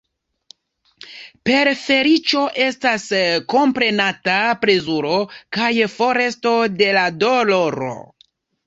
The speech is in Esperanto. Per feliĉo estas komprenata plezuro kaj foresto de doloro.